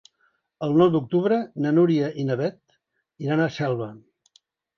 El nou d'octubre na Núria i na Beth iran a Selva.